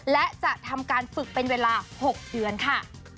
และจะทำการฝึกเป็นเวลา๖เดือนค่ะ